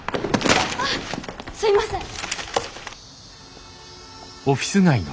あっすいません。